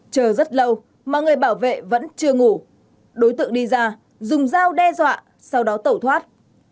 chờ rất lâu mà người bảo vệ vẫn chưa ngủ đối tượng đi ra dùng dao đe dọa sau đó tẩu thoát